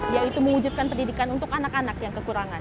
yaitu mewujudkan pendidikan untuk anak anak yang kekurangan